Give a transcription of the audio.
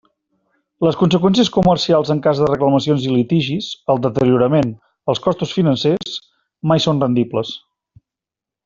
Les conseqüències comercials en cas de reclamacions i litigis, el deteriorament, els costos financers, mai són rendibles.